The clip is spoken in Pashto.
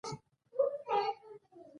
تهران د ايران ښار دی.